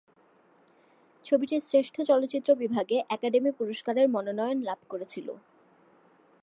ছবিটি শ্রেষ্ঠ চলচ্চিত্র বিভাগে একাডেমি পুরস্কারের মনোনয়ন লাভ করেছিল।